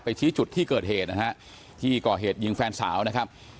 ชี้จุดที่เกิดเหตุนะฮะที่ก่อเหตุยิงแฟนสาวนะครับ